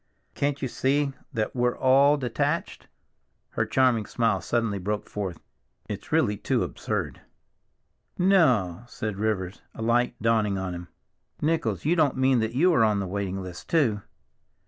"Can't you see that we're all detached?" Her charming smile suddenly broke forth. "It's really too absurd." "No!" said Rivers, a light dawning on him. "Nichols, you don't mean that you are on the waiting list too?"